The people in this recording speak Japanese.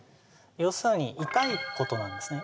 要するに痛いことなんですね